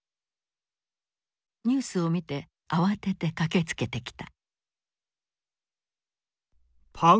ニュースを見て慌てて駆けつけてきた。